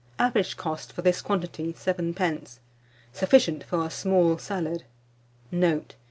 Average cost, for this quantity, 7d. Sufficient for a small salad. Note.